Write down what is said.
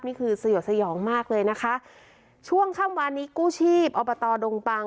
นี่คือสยดสยองมากเลยนะคะช่วงค่ำวานนี้กู้ชีพอบตดงปัง